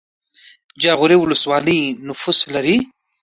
جاغوری ولسوالۍ نفوس لري؟